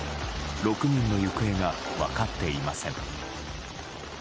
６人の行方が分かっていません。